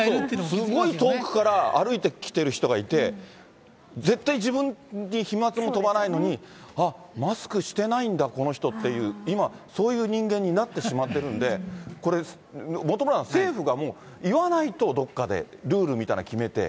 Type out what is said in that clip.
すごい遠くから歩いてきてる人がいて、絶対自分に飛まつも飛ばないのに、あっ、マスクしていないんだ、この人って、今、そういう人間になってしまってるんで、これ、本村さん、政府がもう言わないと、どっかで、ルールみたいなの決めて。